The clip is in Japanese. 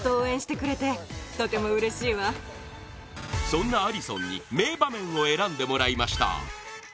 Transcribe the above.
そんなアリソンに名場面を選んでもらいました。